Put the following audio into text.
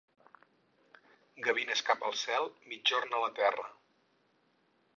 Gavines cap al cel, migjorn a la terra.